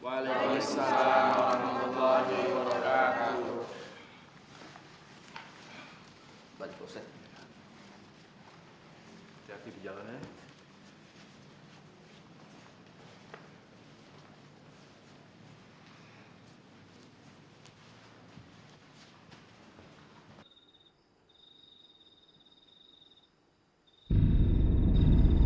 waalaikumsalam warahmatullahi wabarakatuh